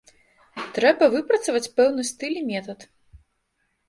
Трэба выпрацаваць пэўны стыль і метад.